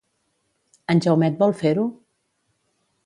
En Jaumet vol fer-ho?